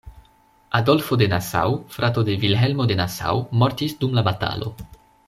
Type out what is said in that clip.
Adolfo de Nassau, frato de Vilhelmo de Nassau, mortis dum la batalo.